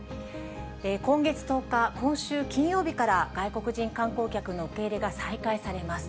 今月１０日、今週金曜日から、外国人観光客の受け入れが再開されます。